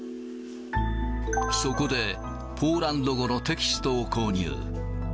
そこで、ポーランド語のテキストを購入。